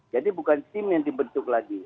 jadi bukan tim yang dibentuk lagi